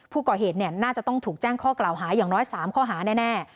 ผู้ก่อเหตุน่าจะต้องถูกแจ้งข้อกล่าวหาอย่างน้อย๓ข้อหาแน่